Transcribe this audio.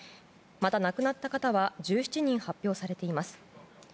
また、亡くなった方は１７人発表されています。